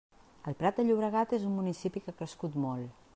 El Prat de Llobregat és un municipi que ha crescut molt.